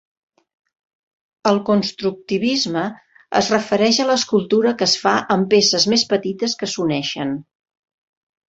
El constructivisme es refereix a l'escultura que es fa amb peces més petites que s'uneixen.